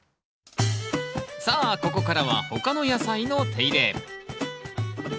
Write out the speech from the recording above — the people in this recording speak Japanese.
さあここからは他の野菜の手入れ。